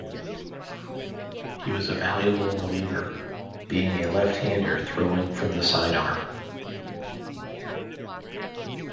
He was a valuable reliever, being a left-hander throwing from the sidearm.